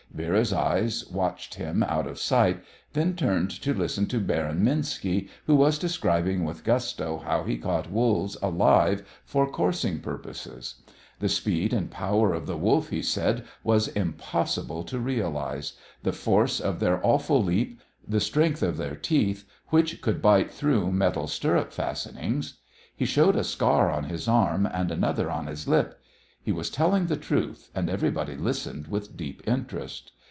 Vera's eyes watched him out of sight, then turned to listen to Baron Minski, who was describing with gusto how he caught wolves alive for coursing purposes. The speed and power of the wolf, he said, was impossible to realise; the force of their awful leap, the strength of their teeth, which could bite through metal stirrup fastenings. He showed a scar on his arm and another on his lip. He was telling truth, and everybody listened with deep interest.